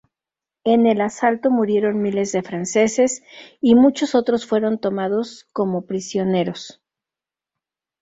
En el asalto murieron miles de franceses y muchos otros fueron tomados como prisioneros.